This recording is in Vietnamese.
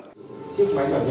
xin cho anh nhỏ nhỏ